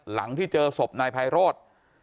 หลังที่เจอศพนายไพโรธ